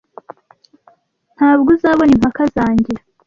Ntabwo uzabona impaka zanjye.